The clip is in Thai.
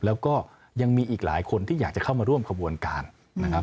แล้วก็ยังมีอีกหลายคนที่อยากจะเข้ามาร่วมขบวนการนะครับ